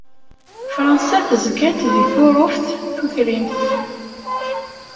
Fṛansa tezga-d deg Tuṛuft Tutrimt.